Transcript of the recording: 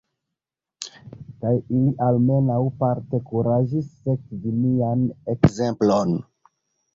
Kaj ili almenaŭ parte kuraĝis sekvi nian ekzemplon.